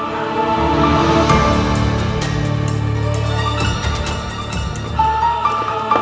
siapa dia sebenarnya